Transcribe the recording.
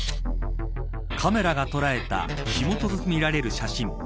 カメラが捉えた火元とみられる写真。